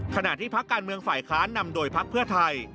ขณะที่พักการเมืองฝ่ายค้านนำโดยพักเพื่อไทย